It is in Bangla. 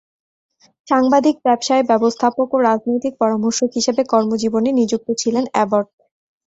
সাংবাদিক, ব্যবসায়ে ব্যবস্থাপক ও রাজনৈতিক পরামর্শক হিসেবে কর্মজীবনে নিযুক্ত ছিলেন অ্যাবট।